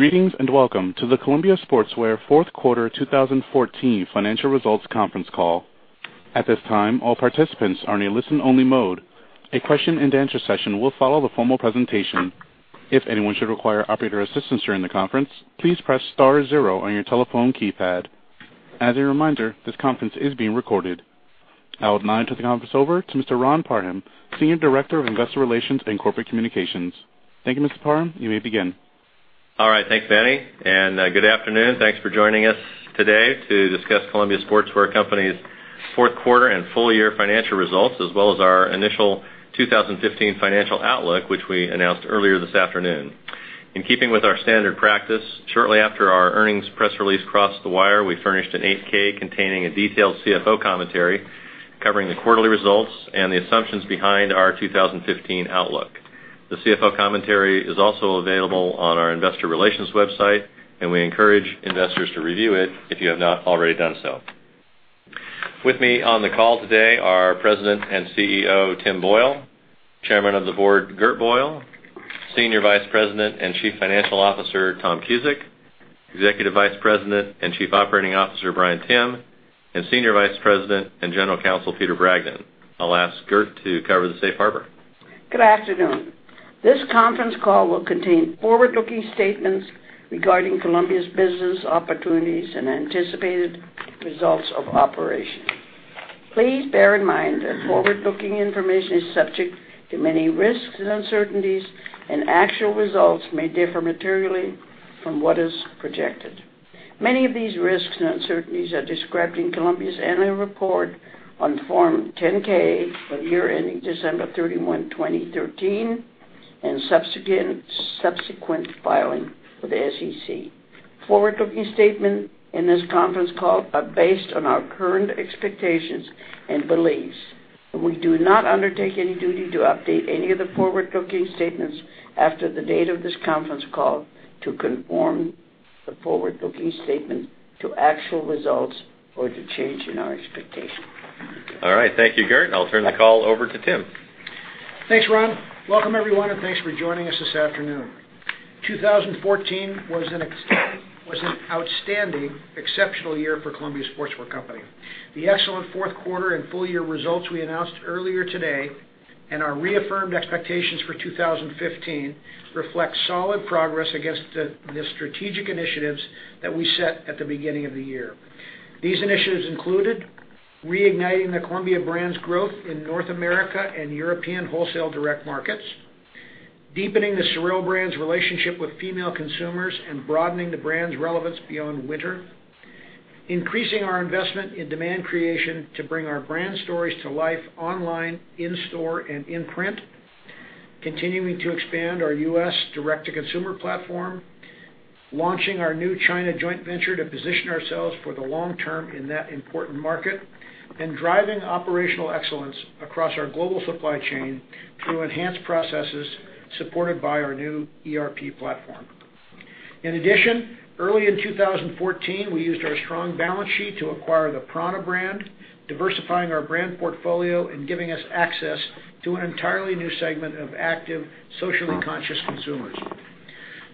Greetings. Welcome to the Columbia Sportswear fourth quarter 2014 financial results conference call. At this time, all participants are in a listen-only mode. A question-and-answer session will follow the formal presentation. If anyone should require operator assistance during the conference, please press star zero on your telephone keypad. As a reminder, this conference is being recorded. I would now turn the conference over to Mr. Ron Parham, Senior Director of Investor Relations and Corporate Communications. Thank you, Mr. Parham. You may begin. All right. Thanks, Manny. Good afternoon. Thanks for joining us today to discuss Columbia Sportswear Company's fourth quarter and full-year financial results, as well as our initial 2015 financial outlook, which we announced earlier this afternoon. In keeping with our standard practice, shortly after our earnings press release crossed the wire, we furnished an 8-K containing a detailed CFO commentary covering the quarterly results and the assumptions behind our 2015 outlook. The CFO commentary is also available on our investor relations website. We encourage investors to review it if you have not already done so. With me on the call today are President and CEO, Tim Boyle, Chairman of the Board, Gert Boyle, Senior Vice President and Chief Financial Officer, Tom Cusick, Executive Vice President and Chief Operating Officer, Bryan Timm, and Senior Vice President and General Counsel, Peter Bragdon. I'll ask Gert to cover the safe harbor. Good afternoon. This conference call will contain forward-looking statements regarding Columbia's business opportunities and anticipated results of operation. Please bear in mind that forward-looking information is subject to many risks and uncertainties. Actual results may differ materially from what is projected. Many of these risks and uncertainties are described in Columbia's annual report on Form 10-K for the year ending December 31, 2013. Subsequent filing with the SEC. Forward-looking statements in this conference call are based on our current expectations and beliefs. We do not undertake any duty to update any of the forward-looking statements after the date of this conference call to conform the forward-looking statement to actual results or to change in our expectations. All right. Thank you, Gert. I'll turn the call over to Tim. Thanks, Ron. Welcome, everyone, and thanks for joining us this afternoon. 2014 was an outstanding, exceptional year for Columbia Sportswear Company. The excellent fourth quarter and full-year results we announced earlier today and our reaffirmed expectations for 2015 reflect solid progress against the strategic initiatives that we set at the beginning of the year. These initiatives included reigniting the Columbia brand's growth in North America and European wholesale direct markets, deepening the SOREL brand's relationship with female consumers, and broadening the brand's relevance beyond winter, increasing our investment in demand creation to bring our brand stories to life online, in store, and in print, continuing to expand our U.S. direct-to-consumer platform, launching our new China joint venture to position ourselves for the long term in that important market, and driving operational excellence across our global supply chain through enhanced processes supported by our new ERP platform. Early in 2014, we used our strong balance sheet to acquire the prAna brand, diversifying our brand portfolio and giving us access to an entirely new segment of active, socially conscious consumers.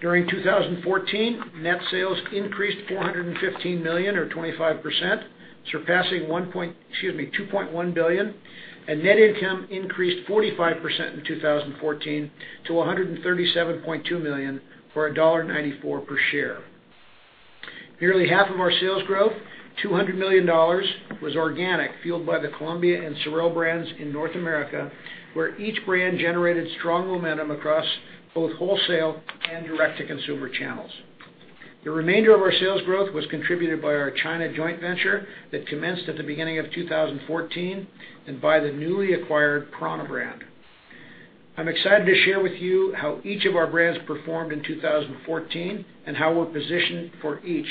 During 2014, net sales increased $415 million or 25%, surpassing $2.1 billion, and net income increased 45% in 2014 to $137.2 million for a $1.94 per share. Nearly half of our sales growth, $200 million, was organic, fueled by the Columbia and SOREL brands in North America, where each brand generated strong momentum across both wholesale and direct-to-consumer channels. The remainder of our sales growth was contributed by our China joint venture that commenced at the beginning of 2014 and by the newly acquired prAna brand. I'm excited to share with you how each of our brands performed in 2014 and how we're positioned for each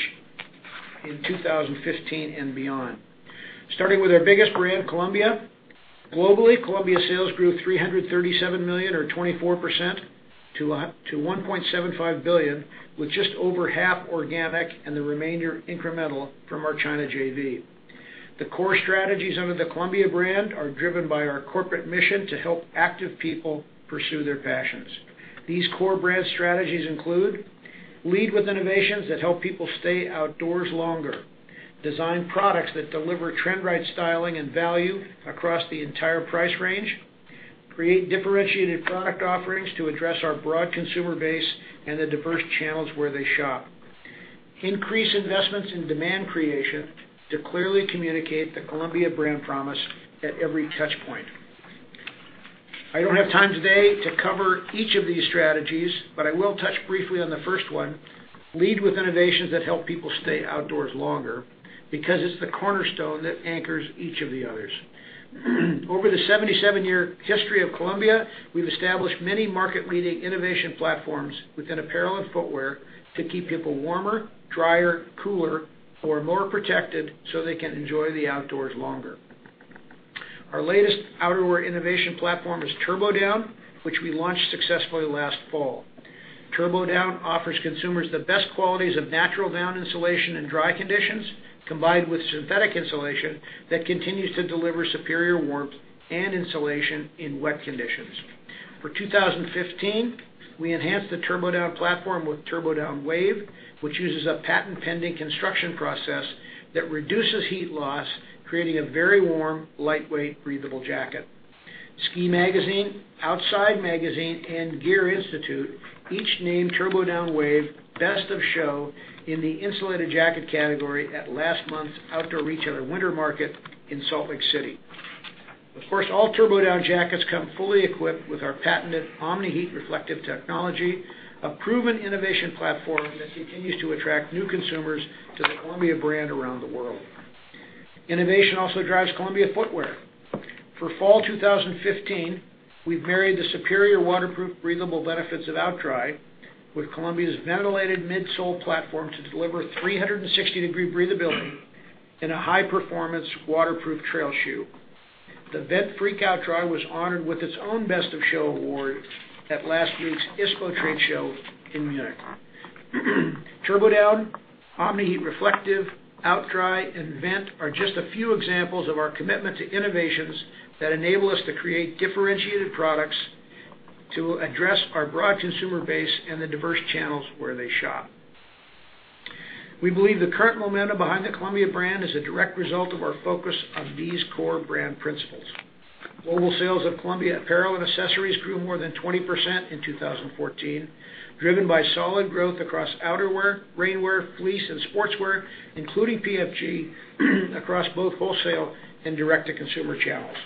in 2015 and beyond. Starting with our biggest brand, Columbia. Globally, Columbia sales grew $337 million or 24% to $1.75 billion, with just over half organic and the remainder incremental from our China JV. The core strategies under the Columbia brand are driven by our corporate mission to help active people pursue their passions. These core brand strategies include lead with innovations that help people stay outdoors longer, design products that deliver trend-right styling and value across the entire price range, create differentiated product offerings to address our broad consumer base and the diverse channels where they shop, increase investments in demand creation to clearly communicate the Columbia brand promise at every touch point. I don't have time today to cover each of these strategies, but I will touch briefly on the first one, lead with innovations that help people stay outdoors longer, because it's the cornerstone that anchors each of the others. Over the 77-year history of Columbia, we've established many market-leading innovation platforms within apparel and footwear to keep people warmer, drier, cooler, or more protected so they can enjoy the outdoors longer. Our latest outerwear innovation platform is TurboDown, which we launched successfully last fall. TurboDown offers consumers the best qualities of natural down insulation in dry conditions, combined with synthetic insulation that continues to deliver superior warmth and insulation in wet conditions. For 2015, we enhanced the TurboDown platform with TurboDown Wave, which uses a patent-pending construction process that reduces heat loss, creating a very warm, lightweight, breathable jacket. Ski Magazine, Outside Magazine, and Gear Institute each named TurboDown Wave Best of Show in the insulated jacket category at last month's Outdoor Retailer Winter Market in Salt Lake City. Of course, all TurboDown jackets come fully equipped with our patented Omni-Heat Reflective technology, a proven innovation platform that continues to attract new consumers to the Columbia brand around the world. Innovation also drives Columbia footwear. For Fall 2015, we've married the superior waterproof, breathable benefits of OutDry with Columbia's ventilated midsole platform to deliver 360-degree breathability in a high-performance, waterproof trail shoe. The Ventfreak OutDry was honored with its own Best of Show award at last week's ISPO trade show in Munich. TurboDown, Omni-Heat Reflective, OutDry, and Vent are just a few examples of our commitment to innovations that enable us to create differentiated products to address our broad consumer base and the diverse channels where they shop. We believe the current momentum behind the Columbia brand is a direct result of our focus on these core brand principles. Global sales of Columbia apparel and accessories grew more than 20% in 2014, driven by solid growth across outerwear, rainwear, fleece, and sportswear, including PFG, across both wholesale and direct-to-consumer channels.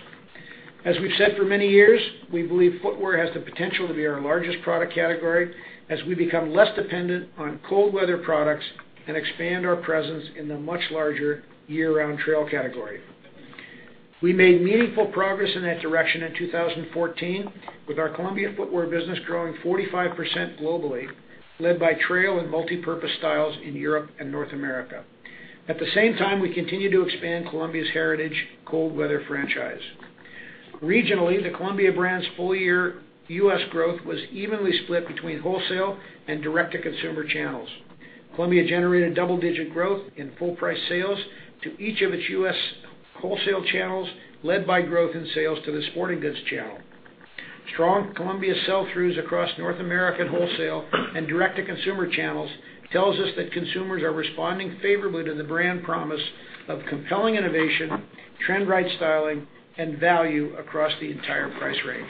As we've said for many years, we believe footwear has the potential to be our largest product category as we become less dependent on cold weather products and expand our presence in the much larger year-round trail category. We made meaningful progress in that direction in 2014, with our Columbia footwear business growing 45% globally, led by trail and multipurpose styles in Europe and North America. At the same time, we continue to expand Columbia's heritage cold weather franchise. Regionally, the Columbia brand's full-year U.S. growth was evenly split between wholesale and direct-to-consumer channels. Columbia generated double-digit growth in full price sales to each of its U.S. wholesale channels, led by growth in sales to the sporting goods channel. Strong Columbia sell-throughs across North American wholesale and direct-to-consumer channels tells us that consumers are responding favorably to the brand promise of compelling innovation, trend-right styling, and value across the entire price range.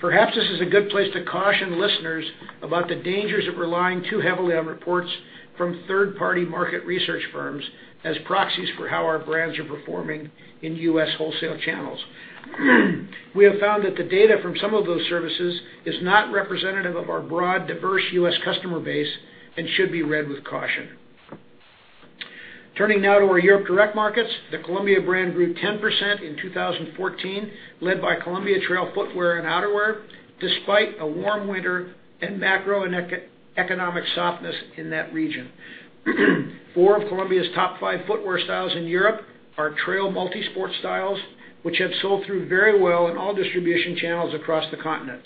Perhaps this is a good place to caution listeners about the dangers of relying too heavily on reports from third-party market research firms as proxies for how our brands are performing in U.S. wholesale channels. We have found that the data from some of those services is not representative of our broad, diverse U.S. customer base and should be read with caution. Turning now to our Europe direct markets, the Columbia brand grew 10% in 2014, led by Columbia trail footwear and outerwear, despite a warm winter and macro and economic softness in that region. Four of Columbia's top five footwear styles in Europe are trail multi-sport styles, which have sold through very well in all distribution channels across the continent.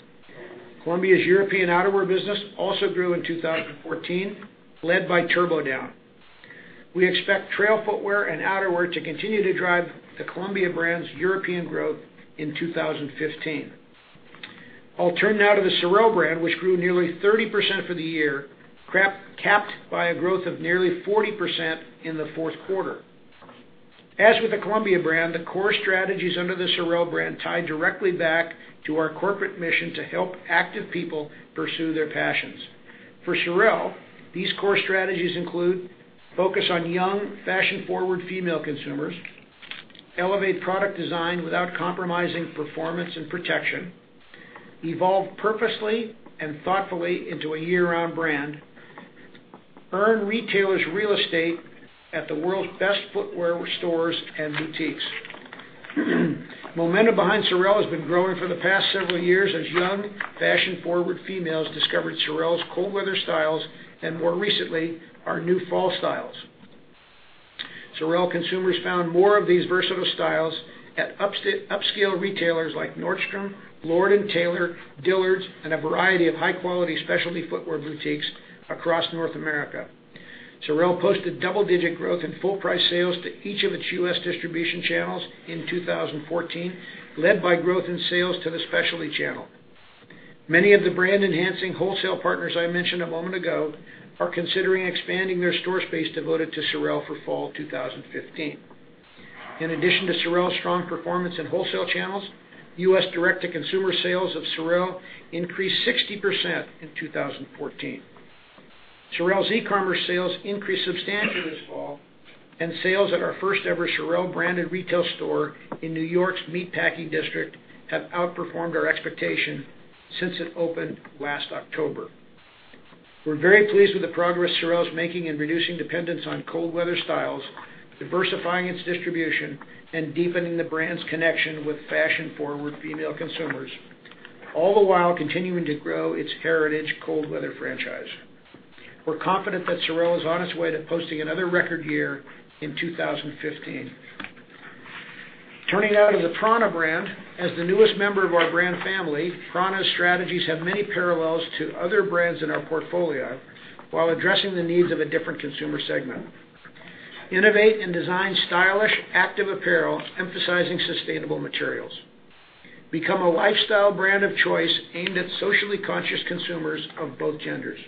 Columbia's European outerwear business also grew in 2014, led by TurboDown. We expect trail footwear and outerwear to continue to drive the Columbia brand's European growth in 2015. I'll turn now to the SOREL brand, which grew nearly 30% for the year, capped by a growth of nearly 40% in the fourth quarter. As with the Columbia brand, the core strategies under the SOREL brand tie directly back to our corporate mission to help active people pursue their passions. For SOREL, these core strategies include focus on young, fashion-forward female consumers; elevate product design without compromising performance and protection; evolve purposely and thoughtfully into a year-round brand; earn retailers real estate at the world's best footwear stores and boutiques. Momentum behind SOREL has been growing for the past several years as young, fashion-forward females discovered SOREL's cold weather styles and more recently, our new fall styles. SOREL consumers found more of these versatile styles at upscale retailers like Nordstrom, Lord & Taylor, Dillard's, and a variety of high-quality specialty footwear boutiques across North America. SOREL posted double-digit growth in full price sales to each of its U.S. distribution channels in 2014, led by growth in sales to the specialty channel. Many of the brand-enhancing wholesale partners I mentioned a moment ago are considering expanding their store space devoted to SOREL for fall 2015. In addition to SOREL's strong performance in wholesale channels, U.S. direct-to-consumer sales of SOREL increased 60% in 2014. SOREL's e-commerce sales increased substantially this fall. Sales at our first ever SOREL-branded retail store in New York's Meatpacking District have outperformed our expectation since it opened last October. We're very pleased with the progress SOREL is making in reducing dependence on cold weather styles, diversifying its distribution, and deepening the brand's connection with fashion-forward female consumers, all the while continuing to grow its heritage cold weather franchise. We're confident that SOREL is on its way to posting another record year in 2015. Turning now to the prAna brand. As the newest member of our brand family, prAna's strategies have many parallels to other brands in our portfolio while addressing the needs of a different consumer segment. Innovate and design stylish active apparel emphasizing sustainable materials. Become a lifestyle brand of choice aimed at socially conscious consumers of both genders.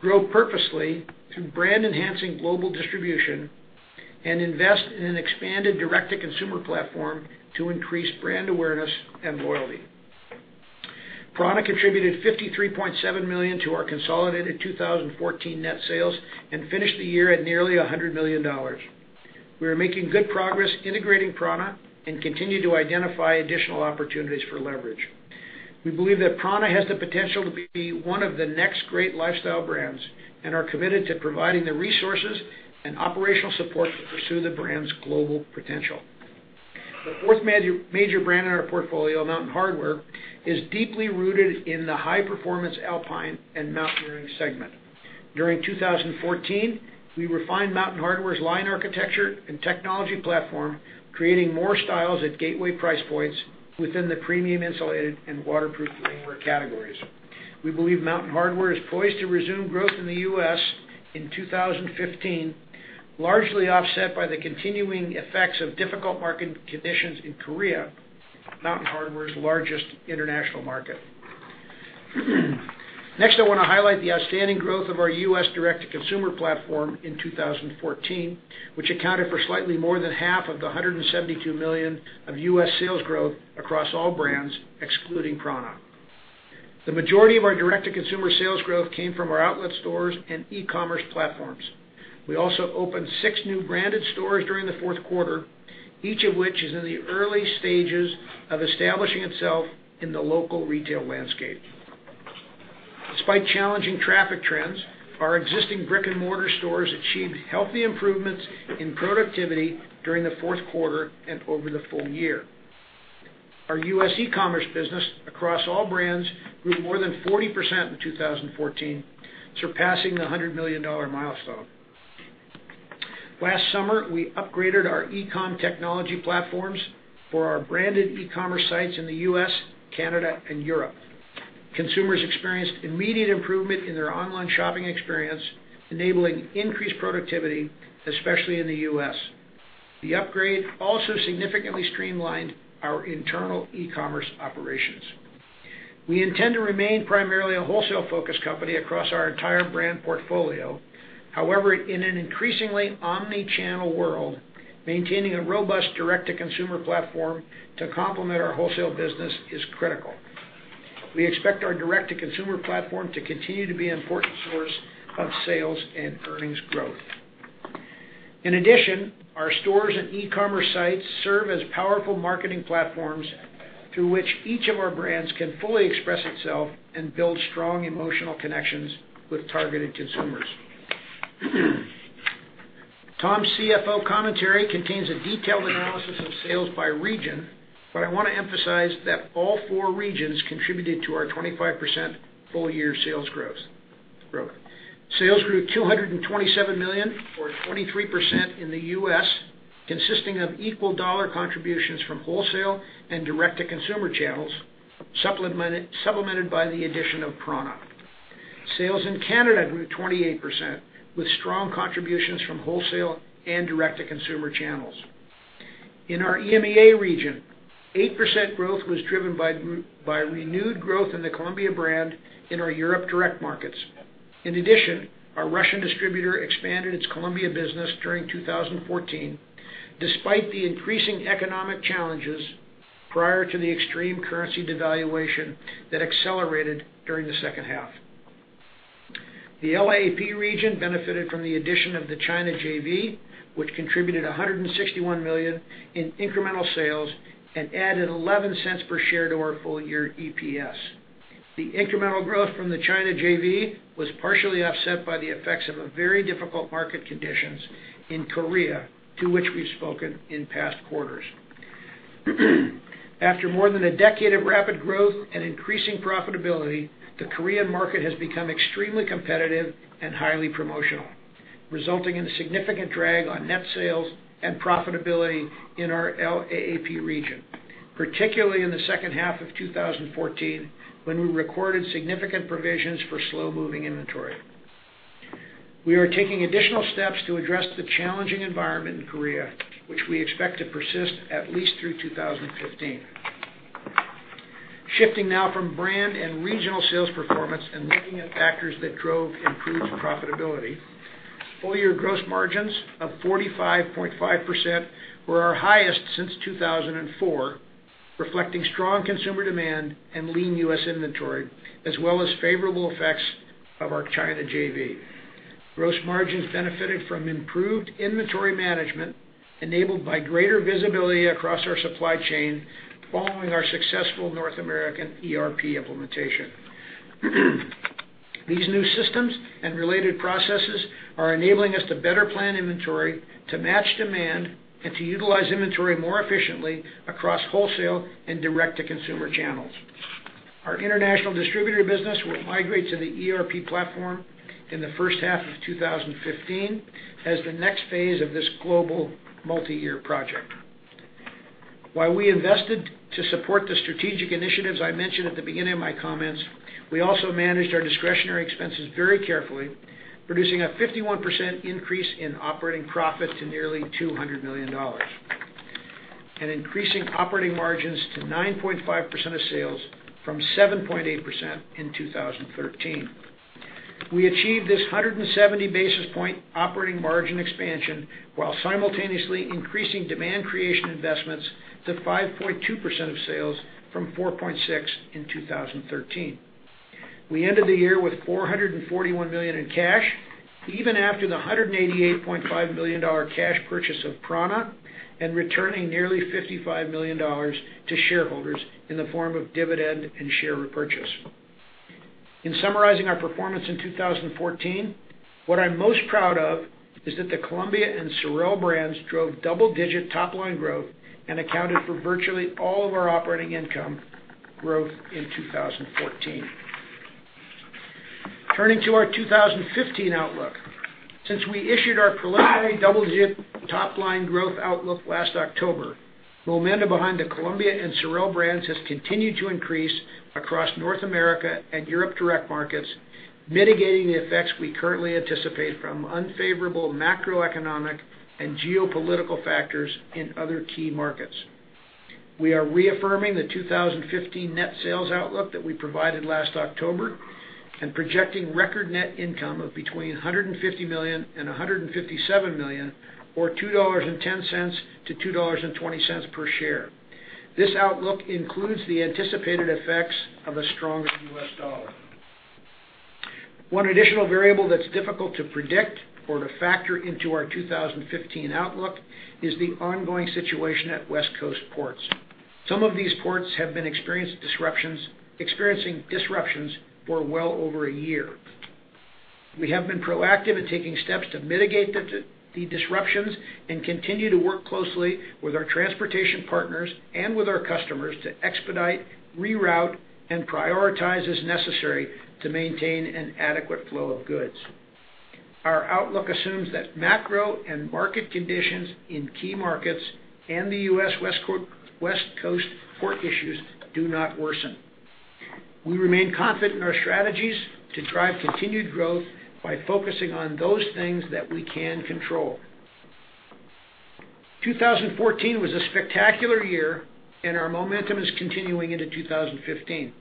Grow purposely through brand-enhancing global distribution, and invest in an expanded direct-to-consumer platform to increase brand awareness and loyalty. prAna contributed $53.7 million to our consolidated 2014 net sales and finished the year at nearly $100 million. We are making good progress integrating prAna and continue to identify additional opportunities for leverage. We believe that prAna has the potential to be one of the next great lifestyle brands and are committed to providing the resources and operational support to pursue the brand's global potential. The fourth major brand in our portfolio, Mountain Hardwear, is deeply rooted in the high-performance alpine and mountaineering segment. During 2014, we refined Mountain Hardwear's line architecture and technology platform, creating more styles at gateway price points within the premium insulated and waterproof rainwear categories. We believe Mountain Hardwear is poised to resume growth in the U.S. in 2015, largely offset by the continuing effects of difficult market conditions in Korea, Mountain Hardwear's largest international market. Next, I want to highlight the outstanding growth of our U.S. direct-to-consumer platform in 2014, which accounted for slightly more than half of the $172 million of U.S. sales growth across all brands, excluding prAna. The majority of our direct-to-consumer sales growth came from our outlet stores and e-commerce platforms. We also opened six new branded stores during the fourth quarter, each of which is in the early stages of establishing itself in the local retail landscape. Despite challenging traffic trends, our existing brick-and-mortar stores achieved healthy improvements in productivity during the fourth quarter and over the full year. Our U.S. e-commerce business across all brands grew more than 40% in 2014, surpassing the $100 million milestone. Last summer, we upgraded our e-commerce technology platforms for our branded e-commerce sites in the U.S., Canada, and Europe. Consumers experienced immediate improvement in their online shopping experience, enabling increased productivity, especially in the U.S. The upgrade also significantly streamlined our internal e-commerce operations. We intend to remain primarily a wholesale-focused company across our entire brand portfolio. However, in an increasingly omni-channel world, maintaining a robust direct-to-consumer platform to complement our wholesale business is critical. We expect our direct-to-consumer platform to continue to be an important source of sales and earnings growth. In addition, our stores and e-commerce sites serve as powerful marketing platforms through which each of our brands can fully express itself and build strong emotional connections with targeted consumers. Tom's CFO commentary contains a detailed analysis of sales by region, but I want to emphasize that all four regions contributed to our 25% full-year sales growth. Sales grew $227 million or 23% in the U.S., consisting of equal dollar contributions from wholesale and direct-to-consumer channels, supplemented by the addition of prAna. Sales in Canada grew 28%, with strong contributions from wholesale and direct-to-consumer channels. In our EMEA region, 8% growth was driven by renewed growth in the Columbia brand in our Europe direct markets. In addition, our Russian distributor expanded its Columbia business during 2014, despite the increasing economic challenges prior to the extreme currency devaluation that accelerated during the second half. The LAAP region benefited from the addition of the China JV, which contributed $161 million in incremental sales and added $0.11 per share to our full-year EPS. The incremental growth from the China JV was partially offset by the effects of very difficult market conditions in Korea, to which we've spoken in past quarters. After more than a decade of rapid growth and increasing profitability, the Korean market has become extremely competitive and highly promotional, resulting in a significant drag on net sales and profitability in our LAAP region, particularly in the second half of 2014, when we recorded significant provisions for slow-moving inventory. We are taking additional steps to address the challenging environment in Korea, which we expect to persist at least through 2015. Shifting now from brand and regional sales performance and looking at factors that drove improved profitability. Full-year gross margins of 45.5% were our highest since 2004, reflecting strong consumer demand and lean U.S. inventory, as well as favorable effects of our China JV. Gross margins benefited from improved inventory management enabled by greater visibility across our supply chain following our successful North American ERP implementation. These new systems and related processes are enabling us to better plan inventory to match demand and to utilize inventory more efficiently across wholesale and direct-to-consumer channels. Our international distributor business will migrate to the ERP platform in the first half of 2015 as the next phase of this global multi-year project. While we invested to support the strategic initiatives I mentioned at the beginning of my comments, we also managed our discretionary expenses very carefully, producing a 51% increase in operating profit to nearly $200 million. Increasing operating margins to 9.5% of sales from 7.8% in 2013. We achieved this 170 basis point operating margin expansion while simultaneously increasing demand creation investments to 5.2% of sales from 4.6% in 2013. We ended the year with $441 million in cash, even after the $188.5 million cash purchase of prAna, and returning nearly $55 million to shareholders in the form of dividend and share repurchase. In summarizing our performance in 2014, what I'm most proud of is that the Columbia and SOREL brands drove double-digit top-line growth and accounted for virtually all of our operating income growth in 2014. Turning to our 2015 outlook. Since we issued our preliminary double-digit top-line growth outlook last October, momentum behind the Columbia and SOREL brands has continued to increase across North America and Europe direct markets, mitigating the effects we currently anticipate from unfavorable macroeconomic and geopolitical factors in other key markets. We are reaffirming the 2015 net sales outlook that we provided last October and projecting record net income of between $150 million and $157 million, or $2.10 to $2.20 per share. This outlook includes the anticipated effects of a stronger U.S. dollar. One additional variable that's difficult to predict or to factor into our 2015 outlook is the ongoing situation at West Coast ports. Some of these ports have been experiencing disruptions for well over a year. We have been proactive in taking steps to mitigate the disruptions and continue to work closely with our transportation partners and with our customers to expedite, reroute, and prioritize as necessary to maintain an adequate flow of goods. Our outlook assumes that macro and market conditions in key markets and the U.S. West Coast port issues do not worsen. We remain confident in our strategies to drive continued growth by focusing on those things that we can control. 2014 was a spectacular year, and our momentum is continuing into 2015.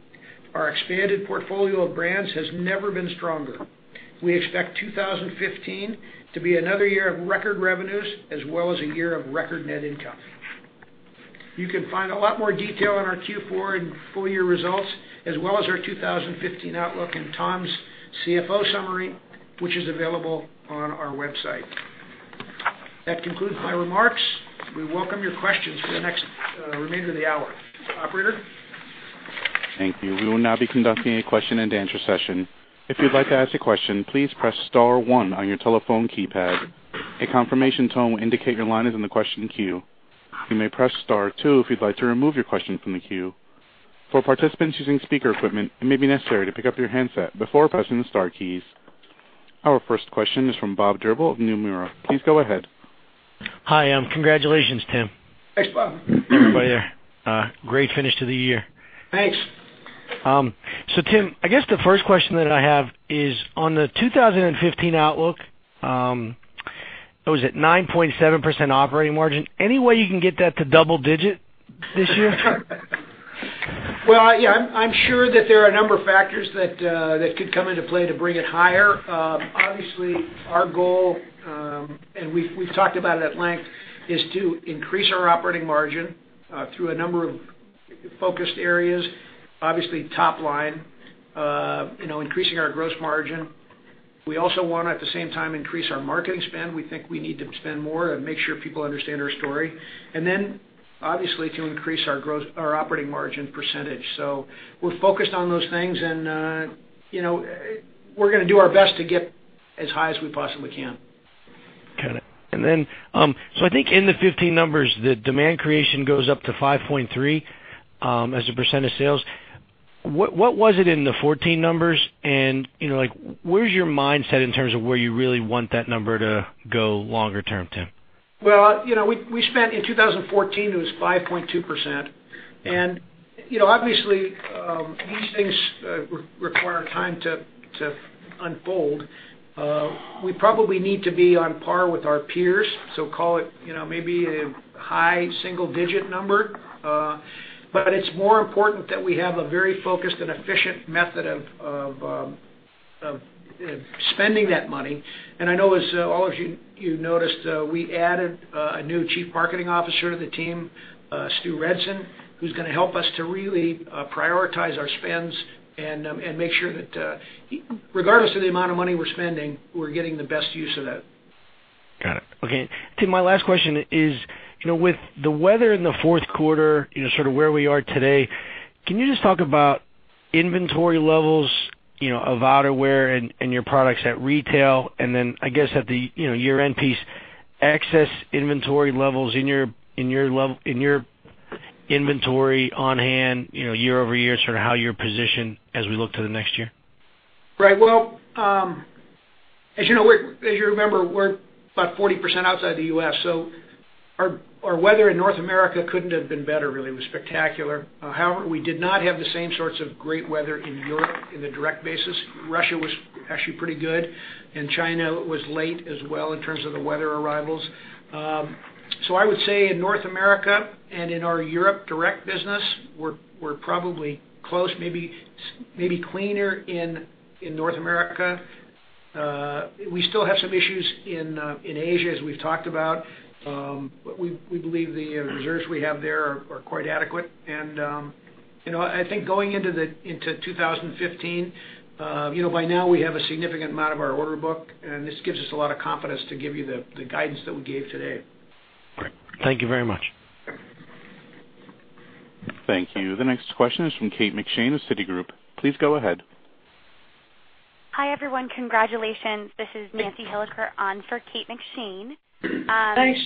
Our expanded portfolio of brands has never been stronger. We expect 2015 to be another year of record revenues as well as a year of record net income. You can find a lot more detail on our Q4 and full-year results, as well as our 2015 outlook in Tom's CFO summary, which is available on our website. That concludes my remarks. We welcome your questions for the next remainder of the hour. Operator? Thank you. We will now be conducting a question and answer session. If you'd like to ask a question, please press *1 on your telephone keypad. A confirmation tone will indicate your line is in the question queue. You may press *2 if you'd like to remove your question from the queue. For participants using speaker equipment, it may be necessary to pick up your handset before pressing the star keys. Our first question is from Bob Drbul of Nomura. Please go ahead. Hi. Congratulations, Tim. Thanks, Bob. Everybody there. Great finish to the year. Thanks. Tim, I guess the first question that I have is on the 2015 outlook. It was at 9.7% operating margin. Any way you can get that to double digit this year? Well, I'm sure that there are a number of factors that could come into play to bring it higher. Obviously, our goal, and we've talked about it at length, is to increase our operating margin, through a number of focused areas. Obviously, top-line. Increasing our gross margin. We also want, at the same time, increase our marketing spend. We think we need to spend more and make sure people understand our story. Obviously to increase our operating margin percentage. We're focused on those things, and we're going to do our best to get as high as we possibly can. Got it. I think in the 2015 numbers, the demand creation goes up to 5.3% as a % of sales. What was it in the 2014 numbers? Where's your mindset in terms of where you really want that number to go longer term, Tim? Well, we spent in 2014, it was 5.2%. Obviously, these things require time to unfold. We probably need to be on par with our peers. Call it maybe a high single-digit number. It's more important that we have a very focused and efficient method of spending that money. I know as all of you noticed, we added a new chief marketing officer to the team, Stuart Redsun, who's going to help us to really prioritize our spends and make sure that regardless of the amount of money we're spending, we're getting the best use of that. Got it. Okay. Tim, my last question is, with the weather in the fourth quarter, sort of where we are today, can you just talk about inventory levels of outerwear and your products at retail? I guess at the year-end piece, excess inventory levels in your inventory on hand, year-over-year, sort of how you're positioned as we look to the next year. Right. As you remember, we're about 40% outside the U.S. Our weather in North America couldn't have been better really. It was spectacular. However, we did not have the same sorts of great weather in Europe in the direct basis. Russia was actually pretty good, China was late as well in terms of the weather arrivals. I would say in North America and in our Europe direct business, we're probably close, maybe cleaner in North America. We still have some issues in Asia, as we've talked about. We believe the reserves we have there are quite adequate. I think going into 2015, by now we have a significant amount of our order book, and this gives us a lot of confidence to give you the guidance that we gave today. Great. Thank you very much. Thank you. The next question is from Kate McShane of Citigroup. Please go ahead. Hi, everyone. Congratulations. This is Nancy Hilliker on for Kate McShane. Thanks.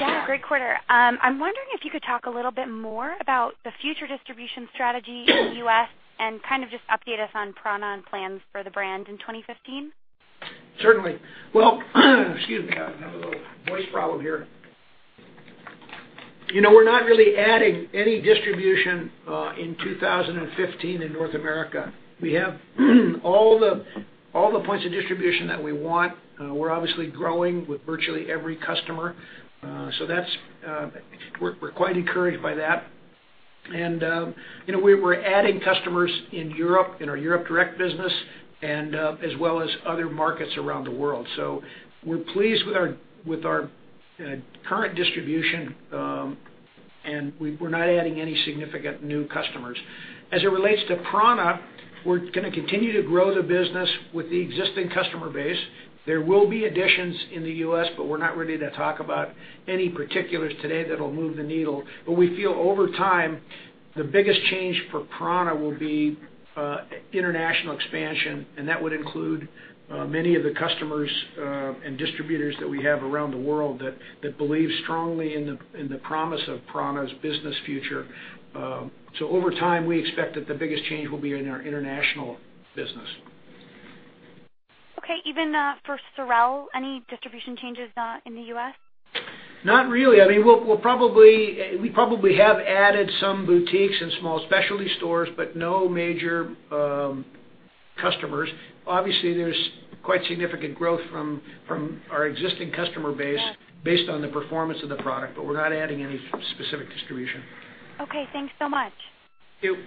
Yeah, great quarter. I'm wondering if you could talk a little bit more about the future distribution strategy in the U.S. and kind of just update us on prAna plans for the brand in 2015. Certainly. Well, excuse me. I have a little voice problem here. We're not really adding any distribution in 2015 in North America. We have all the points of distribution that we want. We're obviously growing with virtually every customer. We're quite encouraged by that. We're adding customers in our Europe direct business and as well as other markets around the world. We're pleased with our current distribution, and we're not adding any significant new customers. As it relates to prAna, we're going to continue to grow the business with the existing customer base. There will be additions in the U.S., but we're not ready to talk about any particulars today that'll move the needle. We feel over time, the biggest change for prAna will be international expansion, and that would include many of the customers and distributors that we have around the world that believe strongly in the promise of prAna's business future. Over time, we expect that the biggest change will be in our international business. Okay. Even for SOREL, any distribution changes in the U.S.? Not really. We probably have added some boutiques and small specialty stores, but no major customers. Obviously, there is quite significant growth from our existing customer base- Yeah based on the performance of the product, but we are not adding any specific distribution. Okay. Thanks so much. Thank you.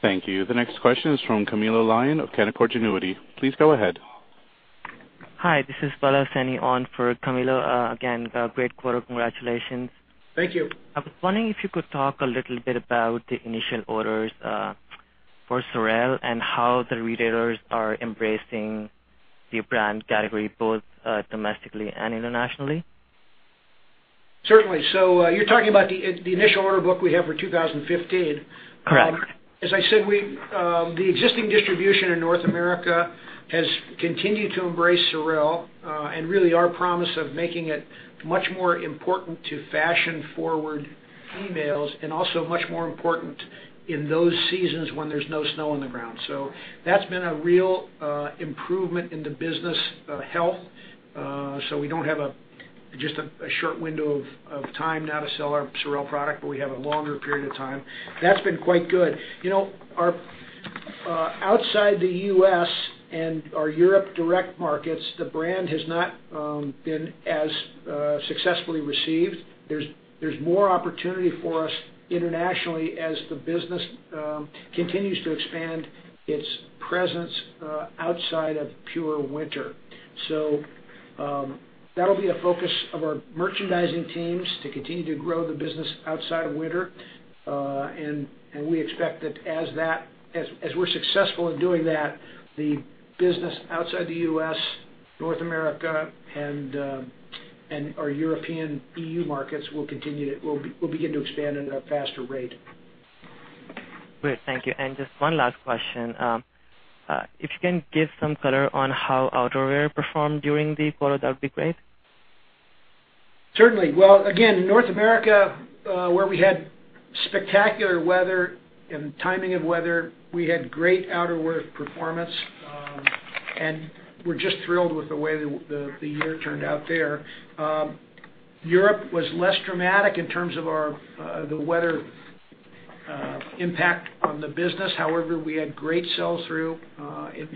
Thank you. The next question is from Camilo Lyon of Canaccord Genuity. Please go ahead. Hi, this is Pallav Saini on for Camilo. Again, great quarter. Congratulations. Thank you. I was wondering if you could talk a little bit about the initial orders for SOREL and how the retailers are embracing the brand category, both domestically and internationally. Certainly. You're talking about the initial order book we have for 2015. Correct. As I said, the existing distribution in North America has continued to embrace SOREL, and really our promise of making it much more important to fashion-forward females and also much more important in those seasons when there's no snow on the ground. That's been a real improvement in the business health. We don't have just a short window of time now to sell our SOREL product, but we have a longer period of time. That's been quite good. Outside the U.S. and our Europe direct markets, the brand has not been as successfully received. There's more opportunity for us internationally as the business continues to expand its presence outside of pure winter. That'll be a focus of our merchandising teams to continue to grow the business outside of winter. We expect that as we're successful in doing that, the business outside the U.S., North America, and our European EU markets will begin to expand at a faster rate. Great. Thank you. Just one last question. If you can give some color on how outerwear performed during the quarter, that would be great. Certainly. Well, again, in North America, where we had spectacular weather and timing of weather, we had great outerwear performance, and we're just thrilled with the way the year turned out there. Europe was less dramatic in terms of the weather impact on the business. We had great sell-through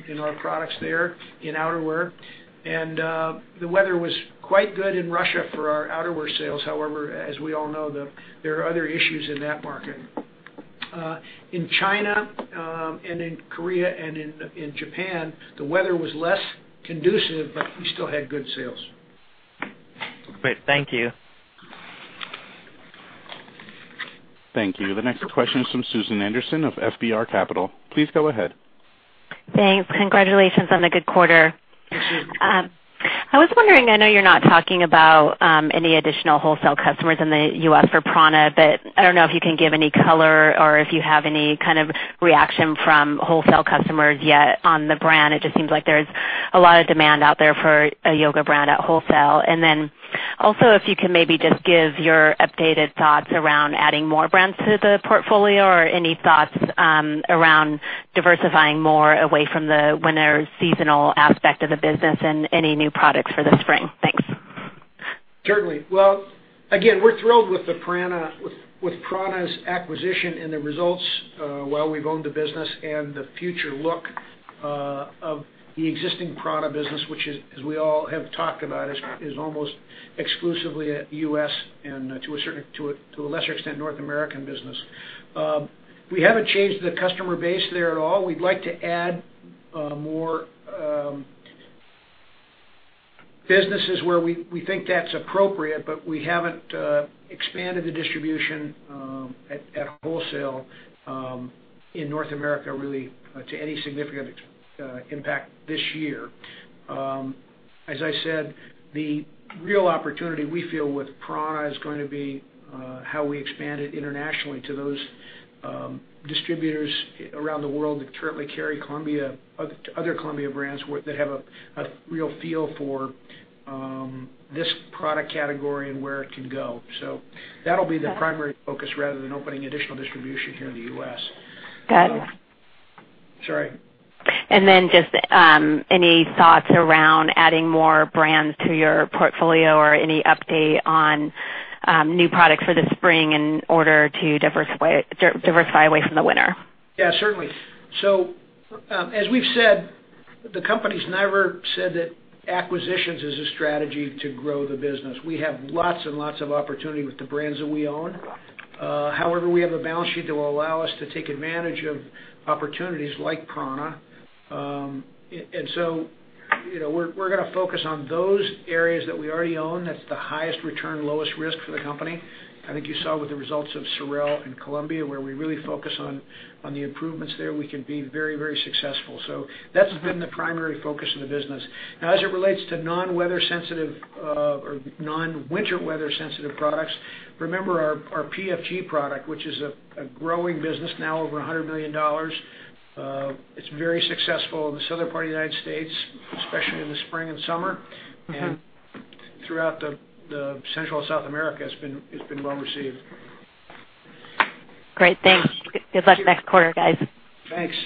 in our products there in outerwear. The weather was quite good in Russia for our outerwear sales. As we all know, there are other issues in that market. In China and in Korea and in Japan, the weather was less conducive, but we still had good sales. Great. Thank you. Thank you. The next question is from Susan Anderson of FBR Capital. Please go ahead. Thanks. Congratulations on the good quarter. Thank you. I was wondering, I know you're not talking about any additional wholesale customers in the U.S. for prAna, but I don't know if you can give any color or if you have any kind of reaction from wholesale customers yet on the brand. It just seems like there's a lot of demand out there for a yoga brand at wholesale. Also, if you can maybe just give your updated thoughts around adding more brands to the portfolio or any thoughts around diversifying more away from the winter seasonal aspect of the business and any new products for the spring. Thanks. Certainly. Well, again, we're thrilled with prAna's acquisition and the results while we've owned the business and the future look of the existing prAna business, which is, as we all have talked about, is almost exclusively a U.S. and to a lesser extent, North American business. We haven't changed the customer base there at all. We'd like to add more businesses where we think that's appropriate, but we haven't expanded the distribution at wholesale in North America, really to any significant impact this year. As I said, the real opportunity we feel with prAna is going to be how we expand it internationally to those distributors around the world that currently carry other Columbia brands, that have a real feel for this product category and where it could go. That'll be the primary focus rather than opening additional distribution here in the U.S. Got it. Sorry. Just any thoughts around adding more brands to your portfolio or any update on new products for the spring in order to diversify away from the winter? Yeah, certainly. As we've said, the company's never said that acquisitions is a strategy to grow the business. We have lots and lots of opportunity with the brands that we own. However, we have a balance sheet that will allow us to take advantage of opportunities like prAna. We're going to focus on those areas that we already own. That's the highest return, lowest risk for the company. I think you saw with the results of SOREL and Columbia, where we really focus on the improvements there, we can be very successful. That's been the primary focus of the business. As it relates to non-weather sensitive or non-winter weather sensitive products, remember our PFG product, which is a growing business now over $100 million. It's very successful in the southern part of the U.S., especially in the spring and summer, and throughout the Central South America, it's been well received. Great, thanks. Good luck next quarter, guys. Thanks.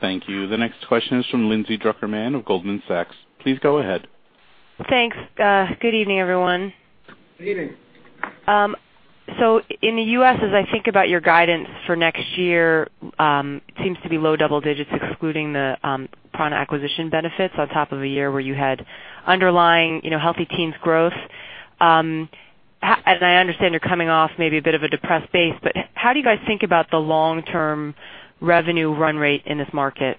Thank you. The next question is from Lindsay Drucker Mann of Goldman Sachs. Please go ahead. Thanks. Good evening, everyone. Good evening. In the U.S., as I think about your guidance for next year, it seems to be low double-digits excluding the prAna acquisition benefits on top of a year where you had underlying healthy teens growth. As I understand, you're coming off maybe a bit of a depressed base, but how do you guys think about the long-term revenue run rate in this market?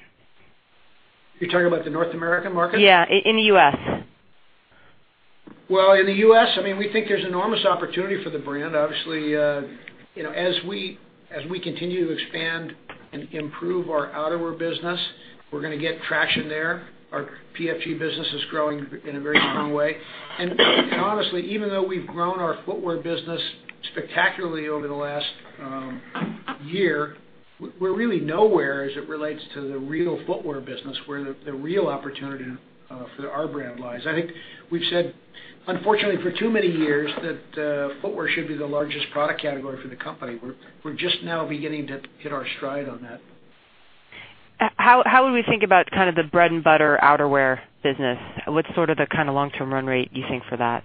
You're talking about the North American market? Yeah, in the U.S. Well, in the U.S., we think there's enormous opportunity for the brand. Obviously, as we continue to expand and improve our outerwear business, we're going to get traction there. Our PFG business is growing in a very strong way. Honestly, even though we've grown our footwear business spectacularly over the last year, we're really nowhere as it relates to the real footwear business, where the real opportunity for our brand lies. I think we've said, unfortunately, for too many years that footwear should be the largest product category for the company. We're just now beginning to hit our stride on that. How would we think about kind of the bread-and-butter outerwear business? What's sort of the kind of long-term run rate you think for that?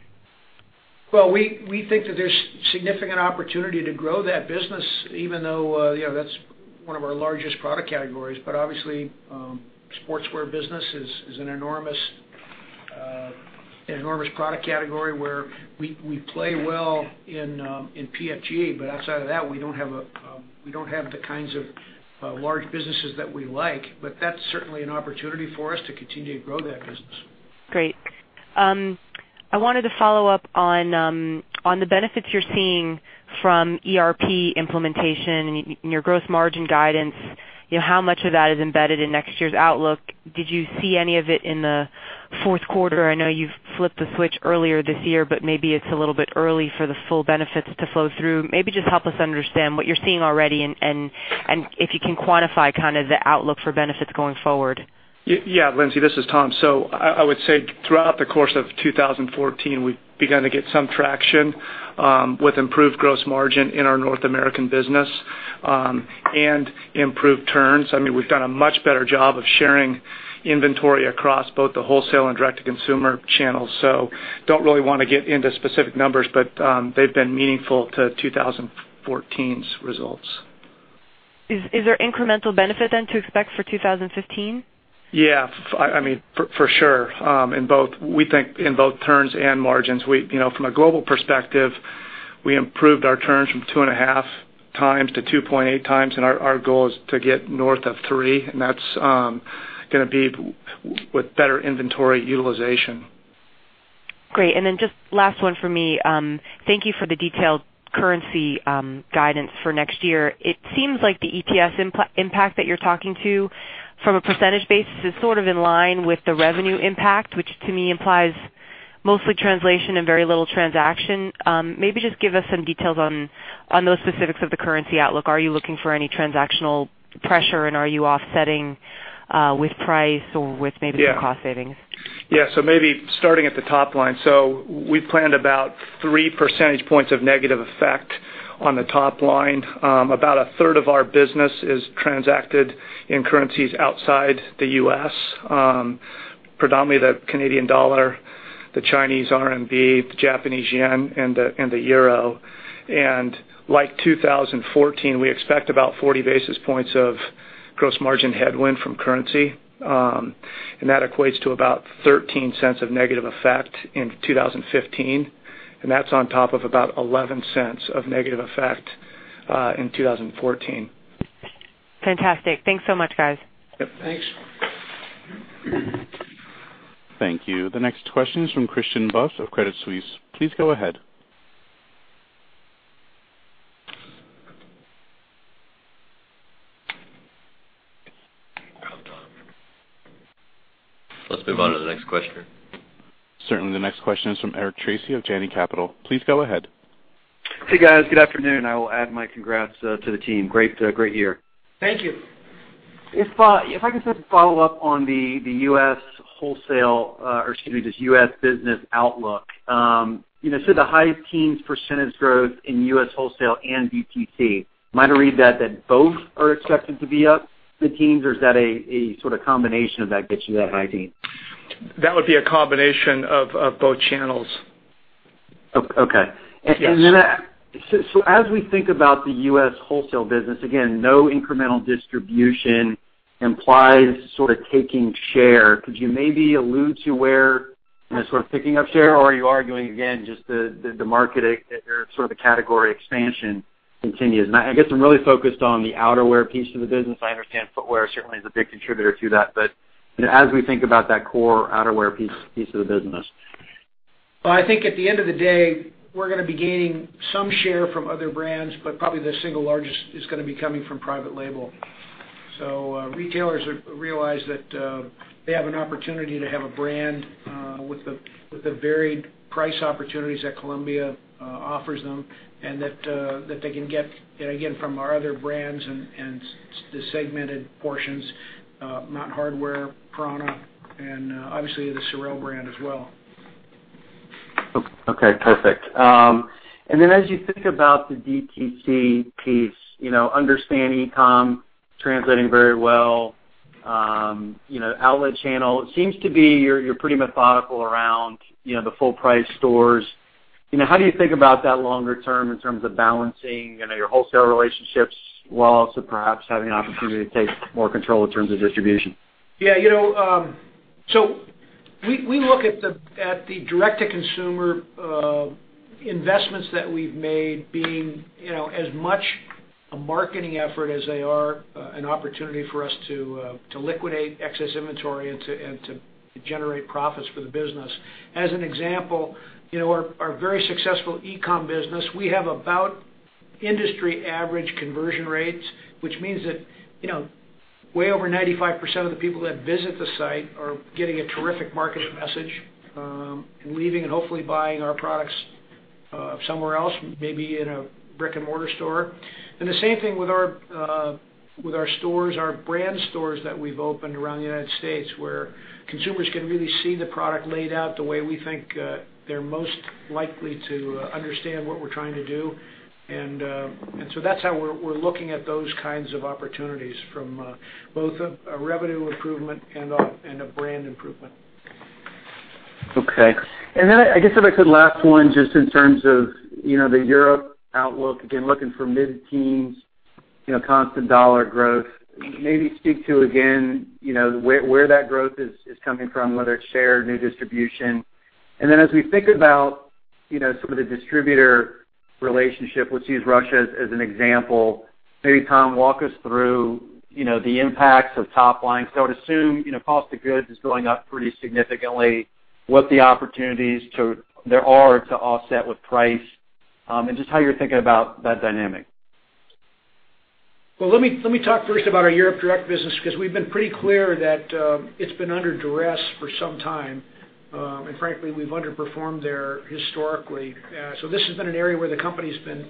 Well, we think that there's significant opportunity to grow that business, even though that's one of our largest product categories. Obviously sportswear business is an enormous product category where we play well in PFG. Outside of that, we don't have the kinds of large businesses that we like. That's certainly an opportunity for us to continue to grow that business. Great. I wanted to follow up on the benefits you're seeing from ERP implementation and your gross margin guidance. How much of that is embedded in next year's outlook? Did you see any of it in the fourth quarter? I know you've flipped the switch earlier this year, but maybe it's a little bit early for the full benefits to flow through. Maybe just help us understand what you're seeing already and if you can quantify kind of the outlook for benefits going forward. Yeah. Lindsay, this is Tom. I would say throughout the course of 2014, we've begun to get some traction with improved gross margin in our North American business and improved turns. We've done a much better job of sharing inventory across both the wholesale and direct-to-consumer channels. Don't really want to get into specific numbers, but they've been meaningful to 2014's results. Is there incremental benefit then to expect for 2015? For sure, we think in both turns and margins. From a global perspective, we improved our turns from 2.5 times to 2.8 times, and our goal is to get north of three, and that's going to be with better inventory utilization. Great. Just last one for me. Thank you for the detailed currency guidance for next year. It seems like the EPS impact that you're talking to from a percentage basis is sort of in line with the revenue impact, which to me implies mostly translation and very little transaction. Maybe just give us some details on those specifics of the currency outlook. Are you looking for any transactional pressure, are you offsetting with price or with maybe some cost savings? Maybe starting at the top line. We planned about 3 percentage points of negative effect On the top line. About a third of our business is transacted in currencies outside the U.S. predominantly the Canadian dollar, the Chinese RMB, the Japanese yen, and the euro. Like 2014, we expect about 40 basis points of gross margin headwind from currency. That equates to about $0.13 of negative effect in 2015, that's on top of about $0.11 of negative effect in 2014. Fantastic. Thanks so much, guys. Yep. Thanks. Thank you. The next question is from Christian Buss of Credit Suisse. Please go ahead. Hold on. Let's move on to the next question. Certainly. The next question is from Eric Tracy of Janney Capital. Please go ahead. Hey, guys. Good afternoon. I will add my congrats to the team. Great year. Thank you. If I can just follow up on the U.S. wholesale, or excuse me, just U.S. business outlook. The high teens % growth in U.S. wholesale and DTC. Am I to read that that both are expected to be up the teens, or is that a sort of combination of that gets you that high teen? That would be a combination of both channels. Okay. Yes. As we think about the U.S. wholesale business, again, no incremental distribution implies sort of taking share. Could you maybe allude to where sort of picking up share or are you arguing again, just the market or sort of the category expansion continues? I guess I'm really focused on the outerwear piece of the business. I understand footwear certainly is a big contributor to that, but as we think about that core outerwear piece of the business. Well, I think at the end of the day, we're going to be gaining some share from other brands, but probably the single largest is going to be coming from private label. Retailers realize that they have an opportunity to have a brand, with the varied price opportunities that Columbia offers them, and that they can get, and again, from our other brands and the segmented portions, Mountain Hardwear, prAna, and obviously the SOREL brand as well. Okay, perfect. As you think about the DTC piece, understand e-com translating very well. Outlet channel, it seems to be you're pretty methodical around the full price stores. How do you think about that longer term in terms of balancing your wholesale relationships while also perhaps having an opportunity to take more control in terms of distribution? Yeah. We look at the direct-to-consumer investments that we've made being as much a marketing effort as they are an opportunity for us to liquidate excess inventory and to generate profits for the business. As an example, our very successful e-com business, we have about industry average conversion rates, which means that way over 95% of the people that visit the site are getting a terrific market message, and leaving and hopefully buying our products somewhere else, maybe in a brick and mortar store. The same thing with our stores, our brand stores that we've opened around the U.S., where consumers can really see the product laid out the way we think they're most likely to understand what we're trying to do. That's how we're looking at those kinds of opportunities from both a revenue improvement and a brand improvement. Okay. I guess if I could, last one, just in terms of the Europe outlook, again, looking for mid-teens, constant dollar growth. Maybe speak to again, where that growth is coming from, whether it's share, new distribution. As we think about sort of the distributor relationship, let's use Russia as an example. Maybe, Tom, walk us through the impacts of top line. I would assume cost of goods is going up pretty significantly. What the opportunities there are to offset with price, and just how you're thinking about that dynamic. Well, let me talk first about our Europe direct business, because we've been pretty clear that it's been under duress for some time. Frankly, we've underperformed there historically. This has been an area where the company's been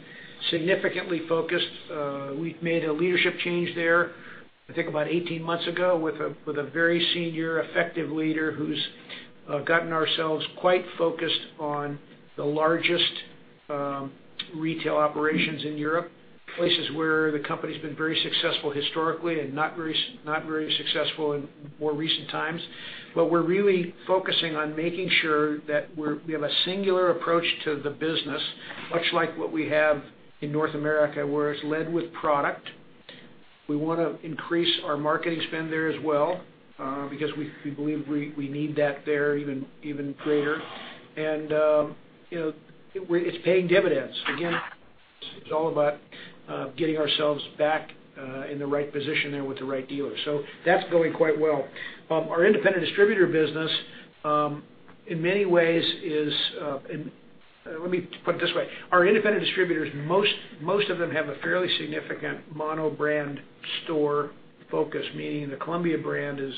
significantly focused. We've made a leadership change there, I think about 18 months ago, with a very senior effective leader who's gotten ourselves quite focused on the largest retail operations in Europe. Places where the company's been very successful historically and not very successful in more recent times. We're really focusing on making sure that we have a singular approach to the business, much like what we have in North America, where it's led with product. We want to increase our marketing spend there as well, because we believe we need that there even greater. It's paying dividends. Again, it's all about getting ourselves back in the right position there with the right dealers. That's going quite well. Our independent distributor business, in many ways. Let me put it this way. Our independent distributors, most of them have a fairly significant mono brand store focus, meaning the Columbia brand is